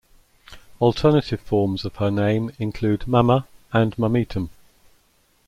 Alternative forms of her name include Mama and Mammitum.